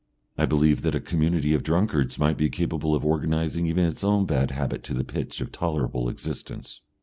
I believe that a community of drunkards might be capable of organising even its own bad habit to the pitch of tolerable existence.